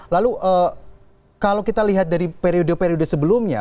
lalu kalau kita lihat dari periode periode sebelumnya